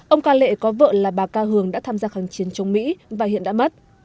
ông ca lệ có vợ là bà ca hường đã tham gia kháng chiến chống mỹ và hiện đã mất